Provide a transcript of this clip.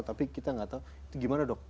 tapi kita nggak tahu itu gimana dok